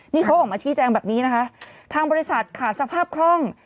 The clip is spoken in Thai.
นี่เขาออกมาชี้แจงแบบนี้นะคะทางบริษัทขาดสภาพคล่อง